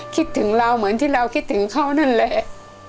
คิดถึงเราเหมือนที่เราคิดถึงเขานั่นแหละ